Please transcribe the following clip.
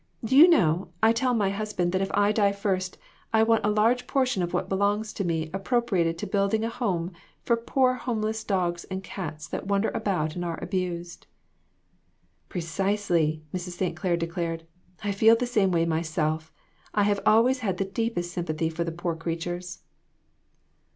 Do you know, I tell my husband if I die first I want a large portion of what belongs to me appro priated to building a home for poor homeless dogs and cats that wander about and are abused." "Precisely," Mrs. St. Clair declared; "I feel the same way myself. I have always had the deepest sympathy for the poor creatures."